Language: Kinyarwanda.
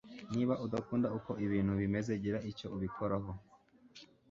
niba udakunda uko ibintu bimeze, gira icyo ubikoraho